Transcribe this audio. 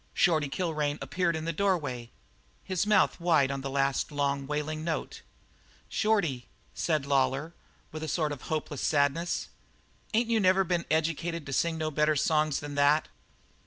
'" Shorty Kilrain appeared in the doorway, his mouth wide on the last, long, wailing note. "Shorty," said Lawlor, with a sort of hopeless sadness, "ain't you never been educated to sing no better songs than that?"